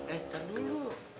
eh ntar dulu